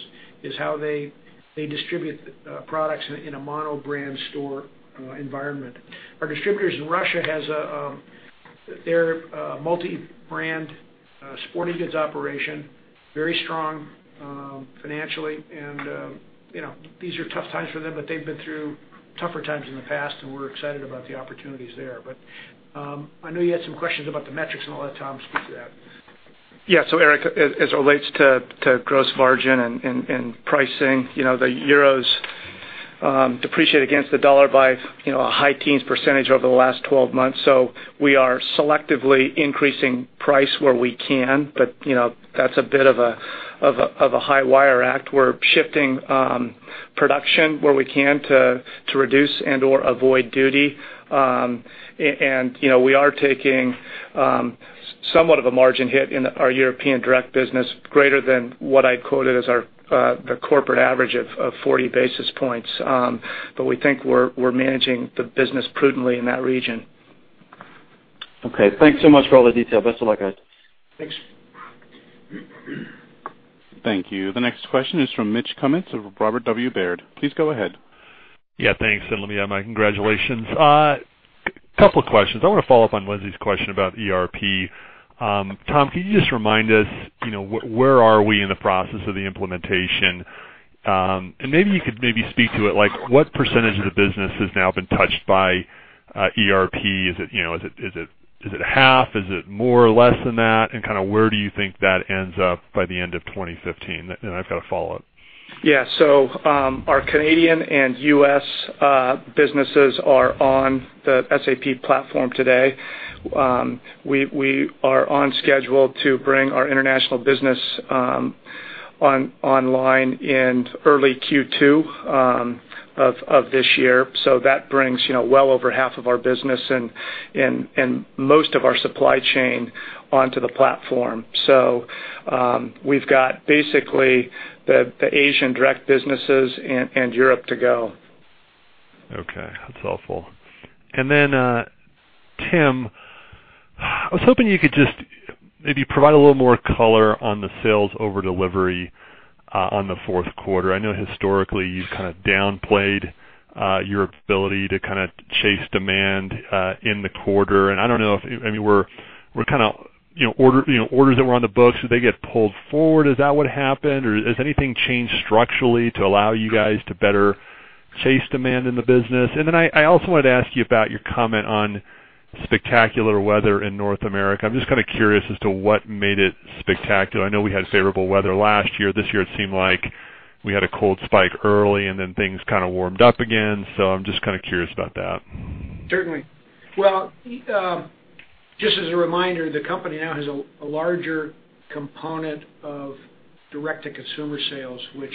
how they distribute products in a mono brand store environment. Our distributors in Russia, they're a multi-brand Sporting goods operation, very strong financially, these are tough times for them, they've been through tougher times in the past, we're excited about the opportunities there. I know you had some questions about the metrics and all that, Tom. Speak to that. Eric, as it relates to gross margin and pricing, the euro depreciated against the USD by a high teens% over the last 12 months. We are selectively increasing price where we can, but that's a bit of a high wire act. We're shifting production where we can to reduce and/or avoid duty. We are taking somewhat of a margin hit in our European direct business, greater than what I quoted as our corporate average of 40 basis points. We think we're managing the business prudently in that region. Okay. Thanks so much for all the detail. Best of luck, guys. Thanks. Thank you. The next question is from Mitch Kummetz of Robert W. Baird. Please go ahead. Thanks. Let me add my congratulations. Couple of questions. I want to follow up on Wendy's question about ERP. Tom, can you just remind us where are we in the process of the implementation? Maybe you could speak to it like, what percentage of the business has now been touched by ERP? Is it half? Is it more or less than that? Where do you think that ends up by the end of 2015? Then I've got a follow-up. Our Canadian and U.S. businesses are on the SAP platform today. We are on schedule to bring our international business online in early Q2 of this year. That brings well over half of our business and most of our supply chain onto the platform. We've got basically the Asian direct businesses and Europe to go. That's helpful. Tim, I was hoping you could just maybe provide a little more color on the sales over delivery on the fourth quarter. I know historically you've kind of downplayed your ability to chase demand in the quarter. Were orders that were on the books, did they get pulled forward? Is that what happened? Has anything changed structurally to allow you guys to better chase demand in the business? I also wanted to ask you about your comment on spectacular weather in North America. I'm just curious as to what made it spectacular. I know we had favorable weather last year. This year it seemed like we had a cold spike early and then things kind of warmed up again. I'm just curious about that. Certainly. Just as a reminder, the company now has a larger component of direct-to-consumer sales, which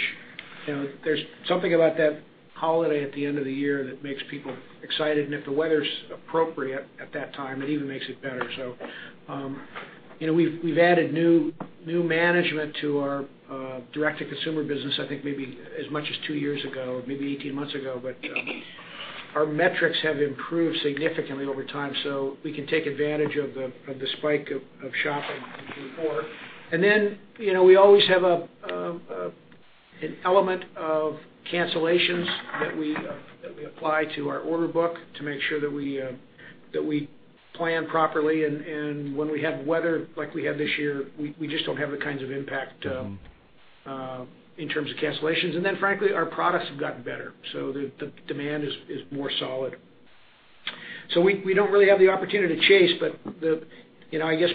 there's something about that holiday at the end of the year that makes people excited. If the weather's appropriate at that time, it even makes it better. We've added new management to our direct-to-consumer business, I think maybe as much as two years ago, maybe 18 months ago. Our metrics have improved significantly over time, we can take advantage of the spike of shopping in Q4. We always have an element of cancellations that we apply to our order book to make sure that we plan properly. When we have weather like we had this year, we just don't have the kinds of impact in terms of cancellations. Frankly, our products have gotten better, the demand is more solid. We don't really have the opportunity to chase, I guess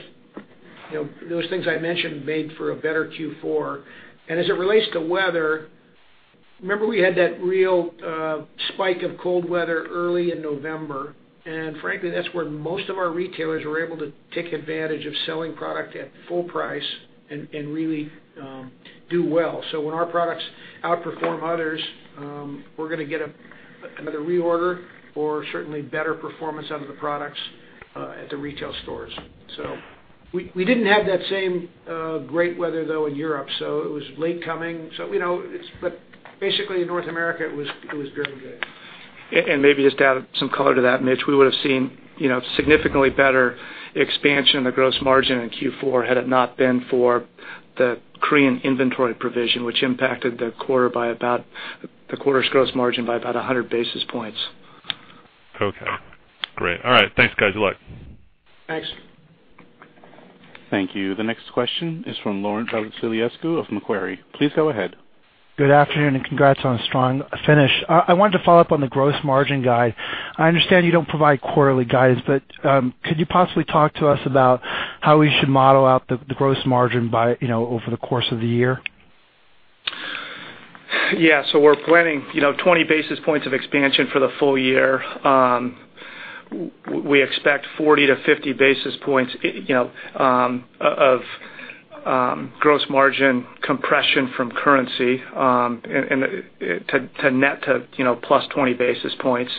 those things I mentioned made for a better Q4. As it relates to weather, remember we had that real spike of cold weather early in November, frankly, that's where most of our retailers were able to take advantage of selling product at full price and really do well. When our products outperform others, we're going to get another reorder or certainly better performance out of the products at the retail stores. We didn't have that same great weather, though, in Europe. It was late coming. Basically, in North America, it was very good. Maybe just to add some color to that, Mitch, we would have seen significantly better expansion in the gross margin in Q4 had it not been for the Korean inventory provision, which impacted the quarter's gross margin by about 100 basis points. Okay, great. All right. Thanks, guys. Good luck. Thanks. Thank you. The next question is from Laurent Vasilescu of Macquarie. Please go ahead. Good afternoon, congrats on a strong finish. I wanted to follow up on the gross margin guide. I understand you don't provide quarterly guidance, but could you possibly talk to us about how we should model out the gross margin over the course of the year? We're planning 20 basis points of expansion for the full year. We expect 40 to 50 basis points of gross margin compression from currency to net to plus 20 basis points.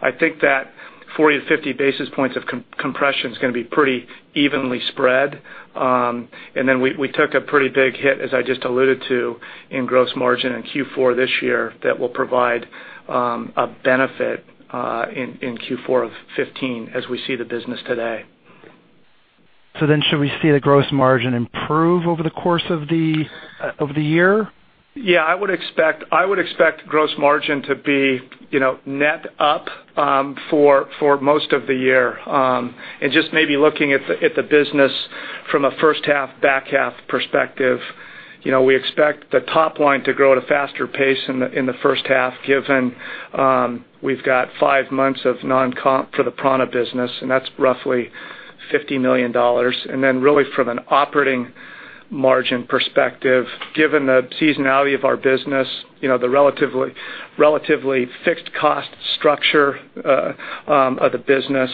I think that 40 to 50 basis points of compression is going to be pretty evenly spread. We took a pretty big hit, as I just alluded to, in gross margin in Q4 this year that will provide a benefit in Q4 of 2015 as we see the business today. Should we see the gross margin improve over the course of the year? I would expect gross margin to be net up for most of the year. Just maybe looking at the business from a first half, back half perspective. We expect the top line to grow at a faster pace in the first half, given we've got five months of non-comp for the prAna business, and that's roughly $50 million. Really from an operating margin perspective, given the seasonality of our business, the relatively fixed cost structure of the business,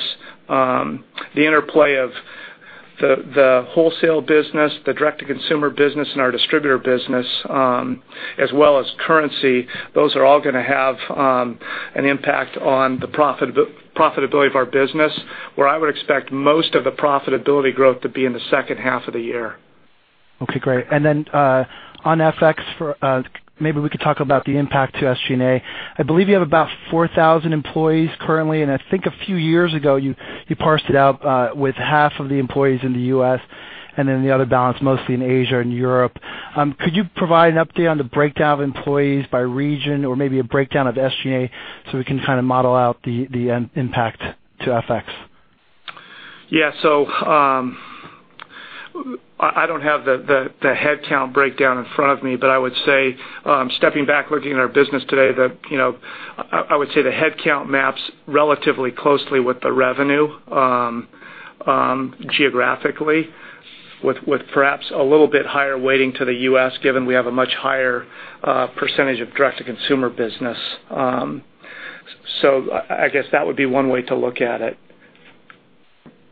the interplay of the wholesale business, the direct-to-consumer business, and our distributor business, as well as currency. Those are all going to have an impact on the profitability of our business, where I would expect most of the profitability growth to be in the second half of the year. Great. On FX, maybe we could talk about the impact to SG&A. I believe you have about 4,000 employees currently, and I think a few years ago, you parsed it out with half of the employees in the U.S. and then the other balance mostly in Asia and Europe. Could you provide an update on the breakdown of employees by region or maybe a breakdown of SG&A so we can kind of model out the impact to FX? Yeah. I don't have the headcount breakdown in front of me, but I would say, stepping back looking at our business today, I would say the headcount maps relatively closely with the revenue geographically with perhaps a little bit higher weighting to the U.S., given we have a much higher percentage of direct-to-consumer business. I guess that would be one way to look at it.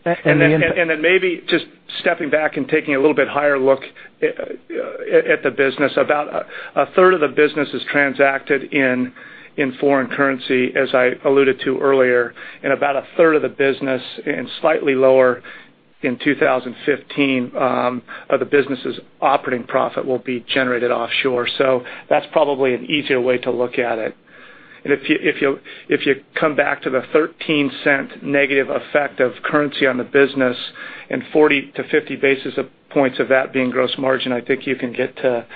And the- Maybe just stepping back and taking a little bit higher look at the business. About a third of the business is transacted in foreign currency, as I alluded to earlier, and about a third of the business, and slightly lower in 2015, of the business's operating profit will be generated offshore. That's probably an easier way to look at it. If you come back to the $0.13 negative effect of currency on the business and 40 to 50 basis points of that being gross margin, I think you can get to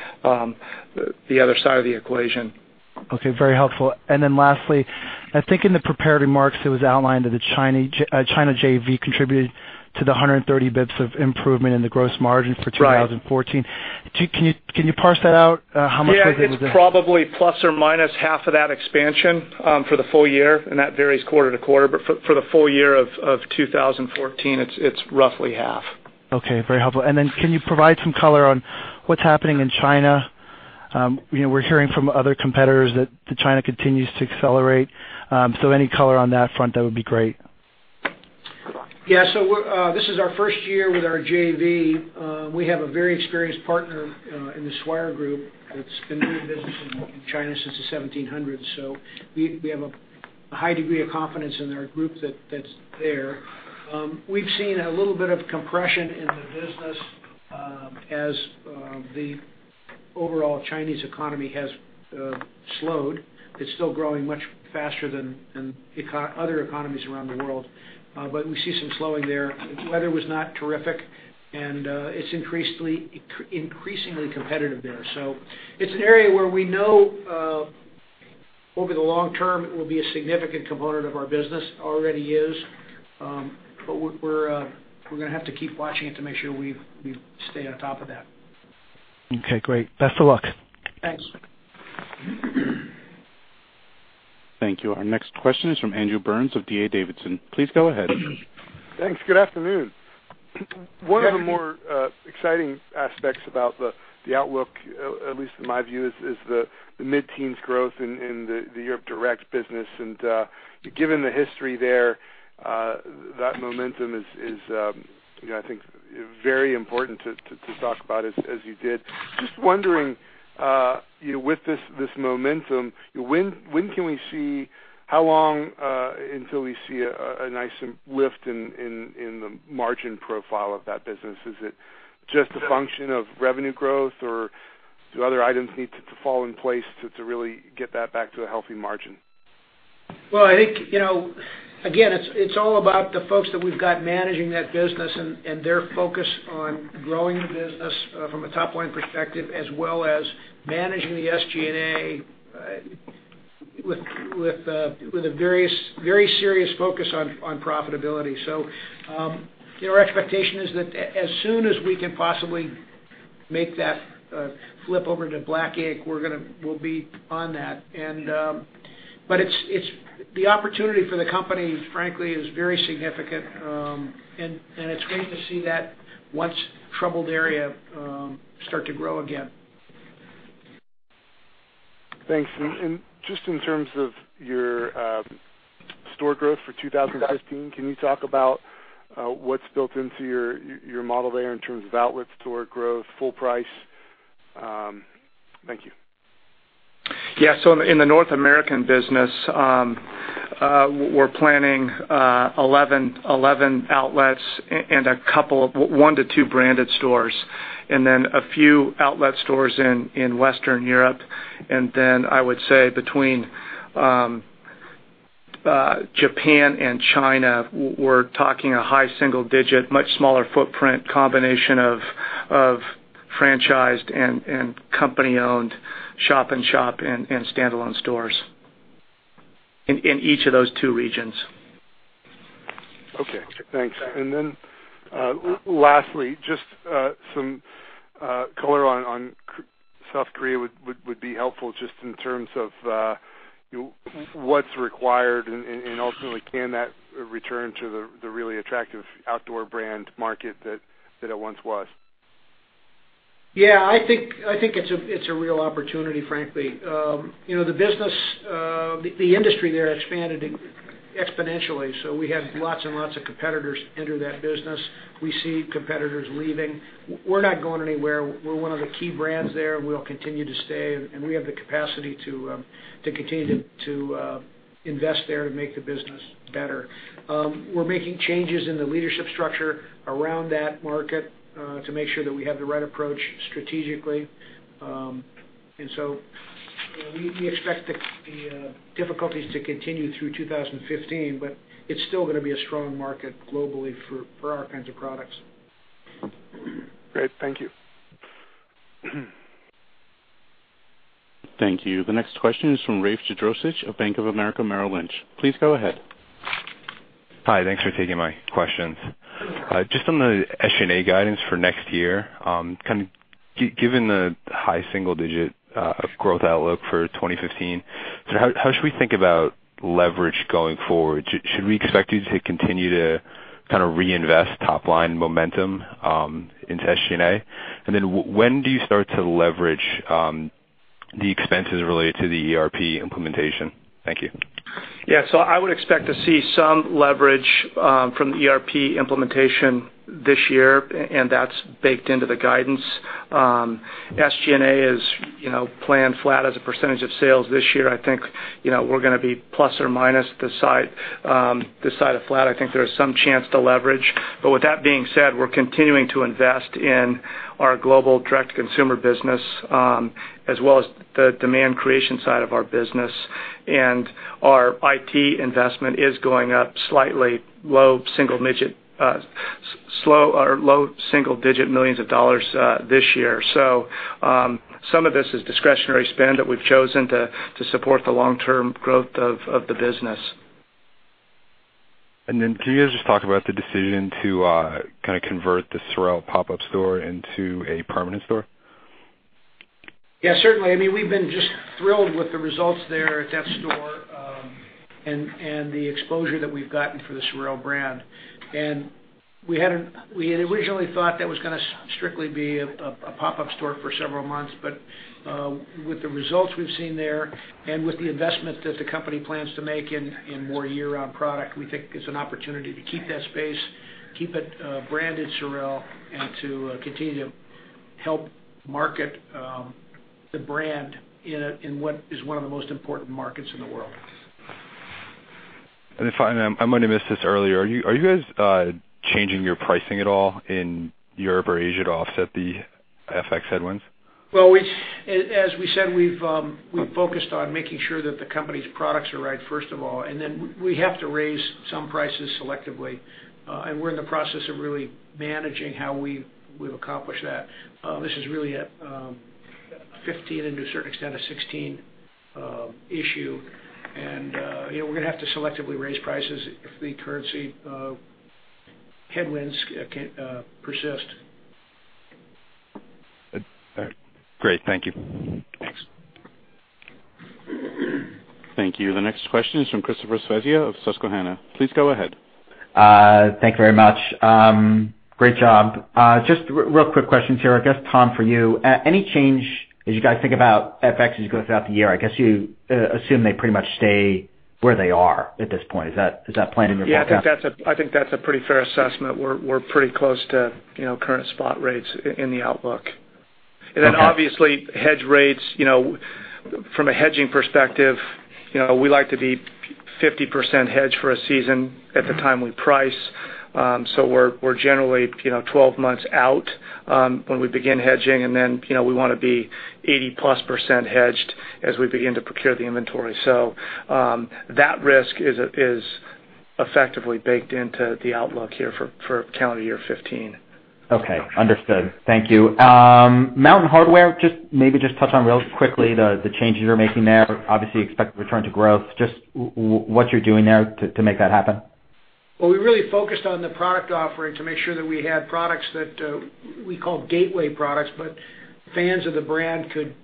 the other side of the equation. Okay. Very helpful. Lastly, I think in the prepared remarks, it was outlined that the China JV contributed to the 130 basis points of improvement in the gross margin for 2014. Right. Can you parse that out? How much was it? Yeah. It's probably plus or minus half of that expansion for the full year, and that varies quarter to quarter. For the full year of 2014, it's roughly half. Okay. Very helpful. Can you provide some color on what's happening in China? We're hearing from other competitors that China continues to accelerate. Any color on that front, that would be great. Yeah. This is our first year with our JV. We have a very experienced partner in the Swire Group that's been doing business in China since the 1700s. We have a high degree of confidence in our group that's there. We've seen a little bit of compression in the business as the overall Chinese economy has slowed. It's still growing much faster than other economies around the world. We see some slowing there. Weather was not terrific, and it's increasingly competitive there. It's an area where we know, over the long term, it will be a significant component of our business, already is. We're going to have to keep watching it to make sure we stay on top of that. Okay, great. Best of luck. Thanks. Thank you. Our next question is from Andrew Burns of D.A. Davidson. Please go ahead. Thanks. Good afternoon. Yeah. One of the more exciting aspects about the outlook, at least in my view, is the mid-teens growth in the Europe direct business. Given the history there, that momentum is, I think, very important to talk about as you did. Just wondering, with this momentum, how long until we see a nice lift in the margin profile of that business? Is it just a function of revenue growth, or do other items need to fall in place to really get that back to a healthy margin? I think, again, it's all about the folks that we've got managing that business and their focus on growing the business from a top-line perspective, as well as managing the SG&A with a very serious focus on profitability. Our expectation is that as soon as we can possibly make that flip over to black ink, we'll be on that. The opportunity for the company, frankly, is very significant. It's great to see that once-troubled area start to grow again. Thanks. Just in terms of your store growth for 2015. Yes Can you talk about what's built into your model there in terms of outlet store growth, full price? Thank you. Yeah. In the North American business, we're planning 11 outlets and a couple of one to two branded stores, then a few outlet stores in Western Europe. I would say between Japan and China, we're talking a high single digit, much smaller footprint combination of franchised and company-owned shop-in-shop and standalone stores in each of those two regions. Okay, thanks. Lastly, just some color on South Korea would be helpful just in terms of what's required and ultimately, can that return to the really attractive outdoor brand market that it once was? Yeah, I think it's a real opportunity, frankly. The industry there expanded exponentially, we had lots and lots of competitors enter that business. We see competitors leaving. We're not going anywhere. We're one of the key brands there, and we'll continue to stay, and we have the capacity to continue to invest there and make the business better. We're making changes in the leadership structure around that market to make sure that we have the right approach strategically. We expect the difficulties to continue through 2015, but it's still going to be a strong market globally for our kinds of products. Great. Thank you. Thank you. The next question is from Rafe Jadrosich of Bank of America Merrill Lynch. Please go ahead. Hi. Thanks for taking my questions. Just on the SG&A guidance for next year, given the high single-digit growth outlook for 2015, how should we think about leverage going forward? Should we expect you to continue to kind of reinvest top-line momentum into SG&A? When do you start to leverage the expenses related to the ERP implementation? Thank you. Yeah. I would expect to see some leverage from the ERP implementation this year, and that's baked into the guidance. SG&A is planned flat as a percentage of sales this year. I think we're going to be plus or minus this side of flat. I think there is some chance to leverage. With that being said, we're continuing to invest in our global direct-to-consumer business as well as the demand creation side of our business. Our IT investment is going up slightly low single-digit millions of dollars this year. Some of this is discretionary spend that we've chosen to support the long-term growth of the business. Can you guys just talk about the decision to kind of convert the SOREL pop-up store into a permanent store? Yeah, certainly. We've been just thrilled with the results there at that store and the exposure that we've gotten for the SOREL brand. We had originally thought that was going to strictly be a pop-up store for several months. With the results we've seen there and with the investment that the company plans to make in more year-round product, we think it's an opportunity to keep that space, keep it branded SOREL, and to continue to help market the brand in what is one of the most important markets in the world. If I might, I might have missed this earlier. Are you guys changing your pricing at all in Europe or Asia to offset the FX headwinds? Well, as we said, we've focused on making sure that the company's products are right, first of all, then we have to raise some prices selectively. We're in the process of really managing how we will accomplish that. This is really a 2015 and to a certain extent, a 2016 issue. We're going to have to selectively raise prices if the currency headwinds persist. Great. Thank you. Thanks. Thank you. The next question is from Christopher Svezia of Susquehanna. Please go ahead. Thank you very much. Great job. Real quick questions here, I guess, Tom, for you. Any change as you guys think about FX as you go throughout the year? I guess you assume they pretty much stay where they are at this point. Is that planned in your forecast? I think that's a pretty fair assessment. We're pretty close to current spot rates in the outlook. Okay. Obviously, hedge rates from a hedging perspective, we like to be 50% hedged for a season at the time we price. We're generally 12 months out when we begin hedging, and then we want to be 80-plus% hedged as we begin to procure the inventory. That risk is effectively baked into the outlook here for calendar year 2015. Okay. Understood. Thank you. Mountain Hardwear, maybe just touch on really quickly the changes you're making there. Obviously, you expect to return to growth. What you're doing there to make that happen. We really focused on the product offering to make sure that we had products that we call gateway products, but fans of the brand could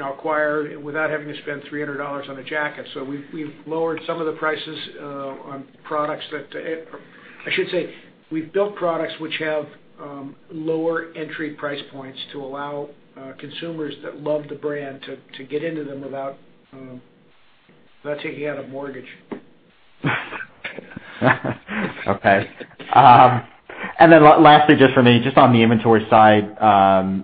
acquire without having to spend $300 on a jacket. We've lowered some of the prices on products. I should say, we've built products which have lower entry price points to allow consumers that love the brand to get into them without taking out a mortgage. Okay. Then lastly, just for me, just on the inventory side,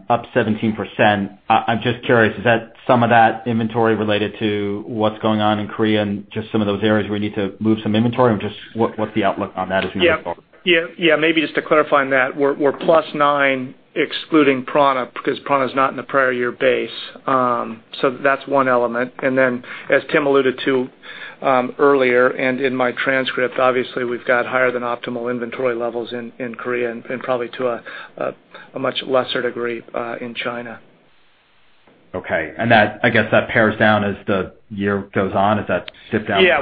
up 17%, I'm just curious, is some of that inventory related to what's going on in Korea and just some of those areas where you need to move some inventory, and just what's the outlook on that as we move forward? Yeah. Maybe just to clarify on that, we're +9% excluding prAna because prAna is not in the prior year base. That's one element. Then as Tim alluded to earlier and in my transcript, obviously we've got higher than optimal inventory levels in Korea and probably to a much lesser degree in China. Okay. I guess that pares down as the year goes on, does that dip down? Yeah.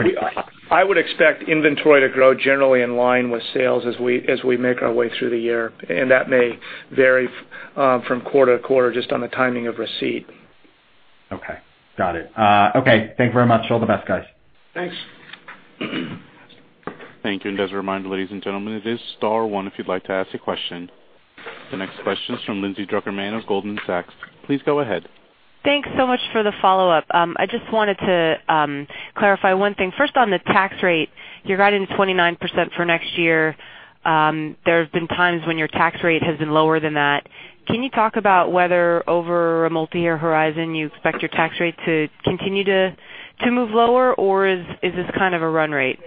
I would expect inventory to grow generally in line with sales as we make our way through the year, that may vary from quarter to quarter just on the timing of receipt. Okay. Got it. Okay, thank you very much. All the best, guys. Thanks. Thank you. As a reminder, ladies and gentlemen, it is star one if you'd like to ask a question. The next question is from Lindsay Drucker Mann of Goldman Sachs. Please go ahead. Thanks so much for the follow-up. I just wanted to clarify one thing. First, on the tax rate, you're guiding 29% for next year. There have been times when your tax rate has been lower than that. Can you talk about whether over a multi-year horizon, you expect your tax rate to continue to move lower, or is this kind of a run rate?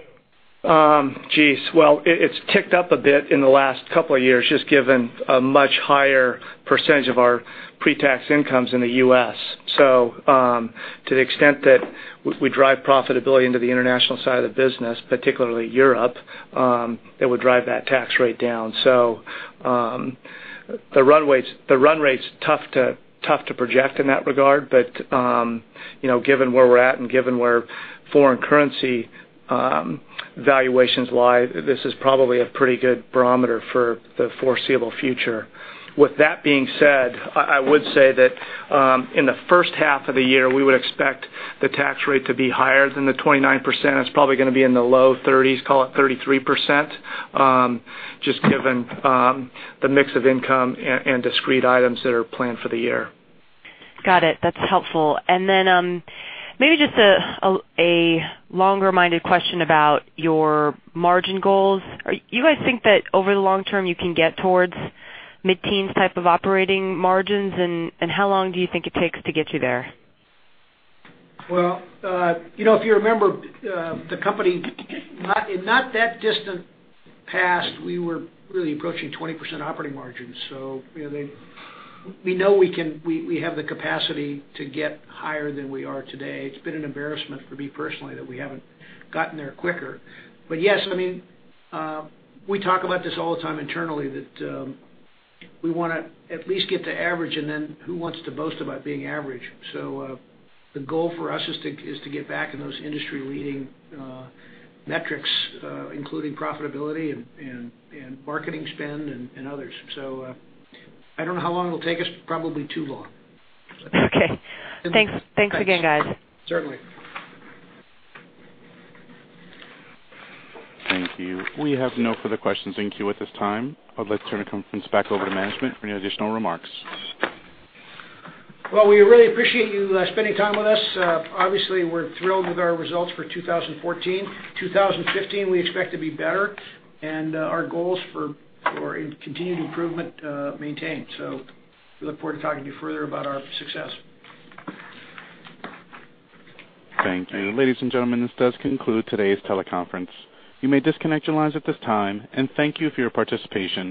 Jeez. It's ticked up a bit in the last couple of years, just given a much higher percentage of our pre-tax incomes in the U.S. To the extent that we drive profitability into the international side of the business, particularly Europe, it would drive that tax rate down. The run rate's tough to project in that regard. Given where we're at and given where foreign currency valuations lie, this is probably a pretty good barometer for the foreseeable future. With that being said, I would say that in the first half of the year, we would expect the tax rate to be higher than 29%. It's probably going to be in the low 30s, call it 33%, just given the mix of income and discrete items that are planned for the year. Got it. That's helpful. Maybe just a longer-minded question about your margin goals. You guys think that over the long term, you can get towards mid-teens type of operating margins? How long do you think it takes to get you there? If you remember, the company, in not that distant past, we were really approaching 20% operating margins. We know we have the capacity to get higher than we are today. It's been an embarrassment for me personally that we haven't gotten there quicker. Yes, we talk about this all the time internally that we want to at least get to average, and then who wants to boast about being average? The goal for us is to get back in those industry-leading metrics, including profitability and marketing spend and others. I don't know how long it'll take us. Probably too long. Okay. Thanks again, guys. Certainly. Thank you. We have no further questions in queue at this time. I'd like to turn the conference back over to management for any additional remarks. Well, we really appreciate you spending time with us. Obviously, we're thrilled with our results for 2014. 2015, we expect to be better. Our goals for continued improvement maintained. We look forward to talking to you further about our success. Thank you. Ladies and gentlemen, this does conclude today's teleconference. You may disconnect your lines at this time. Thank you for your participation.